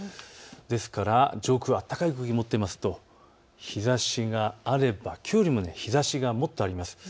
ですから上空、暖かい空気を持っていますと日ざしがあればきょうより日ざしがもっとあります。